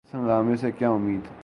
اس ہنگامے سے کیا امید؟